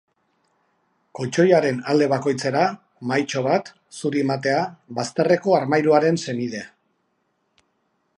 Koltxoiaren alde bakoitzera, mahaitxo bat, zuri matea, bazterreko armairuaren senide.